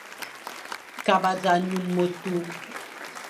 Kaba za nyum metul,